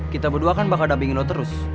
kita berdua kan bakal dapingin lo terus